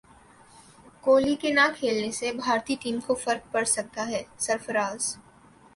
کوہلی کے نہ کھیلنے سے بھارتی ٹیم کو فرق پڑسکتا ہے سرفراز